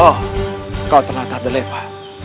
oh kau ternyata ada lebar